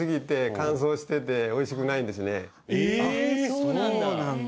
そうなんだ。